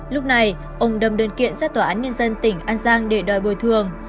lúc này ông đâm đơn kiện ra tòa án nhân dân tỉnh an giang để đòi bồi thường